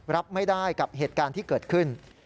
รับไม่ได้กับเหตุการณ์ที่เกิดขึ้น